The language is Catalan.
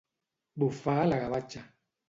Bufar la gavatxa.